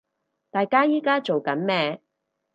大家依家做緊咩